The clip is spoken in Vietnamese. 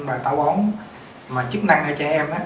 mà táo bón chức năng ra cho em